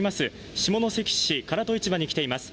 下関市、唐戸市場に来ています。